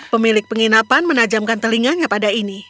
pemilik penginapan menajamkan telinganya pada ini